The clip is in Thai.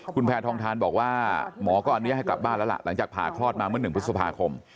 คุณแพทองทานบอกว่าหมอก็อนุญาตให้กลับบ้านแล้วล่ะหลังจากผ่าคลอดมาเมื่อ๑พฤษภาคม